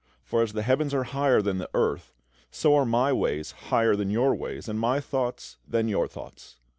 For as the heavens are higher than the earth, so are My ways higher than your ways, and My thoughts than your thoughts."